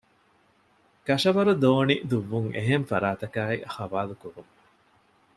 ކަށަވަރު ދޯނި ދުއްވުން އެހެން ފަރާތަކާއި ޙަވާލުކުރުން